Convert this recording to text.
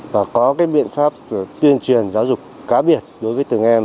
và có cái biện pháp tuyên truyền giáo dục cá biệt đối với từng em